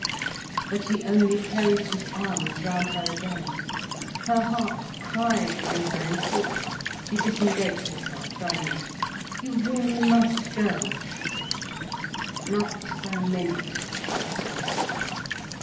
But he only closed his arms round her again. Her heart cried within her in torture. She disengaged herself firmly. "You really must go," she said. "Not for a minute," he said.